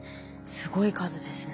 すごい数ですね。